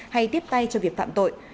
hay tiếp tay cho việc phạm tội